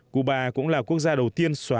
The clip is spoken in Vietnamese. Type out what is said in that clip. cuba cũng là quốc gia đầu tiên